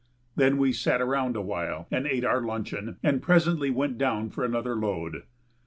Then we sat around awhile and ate our luncheon, and presently went down for another load.